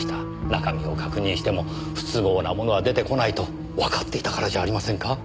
中身を確認しても不都合なものは出てこないとわかっていたからじゃありませんか？